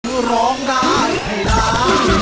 คือร้องได้ให้ล้าน